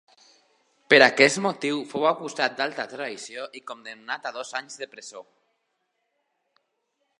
Per aquest motiu, fou acusat d'alta traïció i condemnat a dos anys de presó.